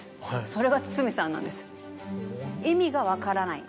それが堤さんなんです。